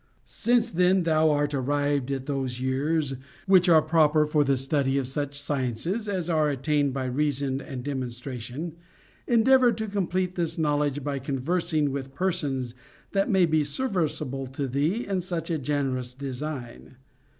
Since then thou art arrived at those years which are proper for the study of such sciences as are attained by reason and demonstration, endeavor to complete this knowledge by conversing with persons that may be ser viceable to thee in such a generous design.